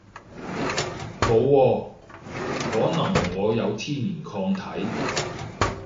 冇喎，可能我有天然抗體